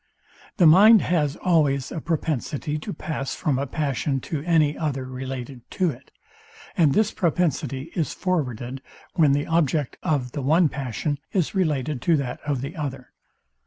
The mind has always a propensity to pass from a passion to any other related to it; and this propensity is forwarded when the object of the one passion is related to that of the other.